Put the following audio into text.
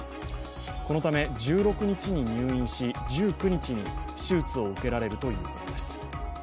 このため、１６日に入院し、１９日に手術を受けられるということです。